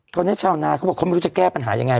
ตอนนี้ชาวนาเขาบอกเขาไม่รู้จะแก้ปัญหายังไง